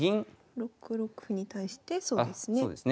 ６六歩に対してそうですね。